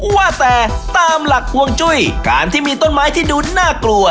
ว่าแต่ตามหลักห่วงจุ้ยการที่มีต้นไม้ที่ดูน่ากลัว